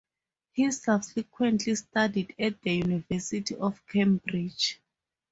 He subsequently studied at the University of Cambridge.